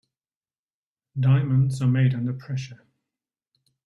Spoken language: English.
Diamonds are made under pressure.